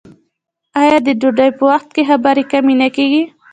آیا د ډوډۍ په وخت کې خبرې کمې نه کیږي؟